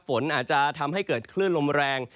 ฝนอาจจะทำให้เกิดคลื่นลมแรง